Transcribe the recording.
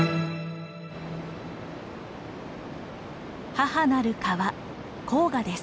母なる河黄河です。